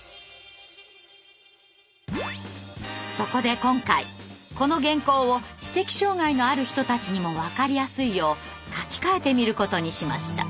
そこで今回この原稿を知的障害のある人たちにもわかりやすいよう書き換えてみることにしました。